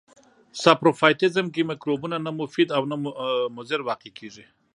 ساپروفایټیزم کې مکروبونه نه مفید او نه مضر واقع کیږي.